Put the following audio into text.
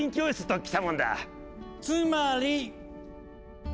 つまり。